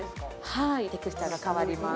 はいテクスチャーが変わります